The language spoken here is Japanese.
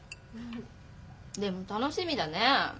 でも楽しみだね。